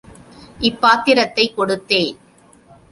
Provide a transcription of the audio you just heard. இப் பாத்திரத்தைக் கொடுத்தேன்.